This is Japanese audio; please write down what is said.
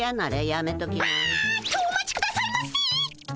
あっとお待ちくださいませ！